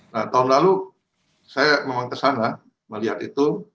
nah tahun lalu saya memang kesana melihat itu